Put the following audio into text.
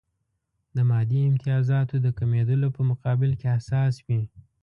د مادي امتیازاتو د کمېدلو په مقابل کې حساس وي.